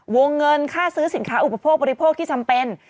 วงเงินค่าซื้อสินค้าอุปโภคบริโภคที่จำเป็น